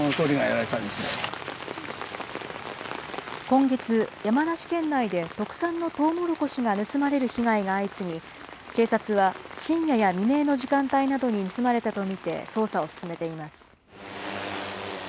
今月、山梨県内で特産のとうもろこしが盗まれる被害が相次ぎ、警察は深夜や未明の時間帯などに盗まれたと見て、捜査を進めています。